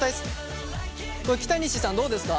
これ北西さんどうですか？